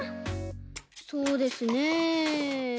そうですね。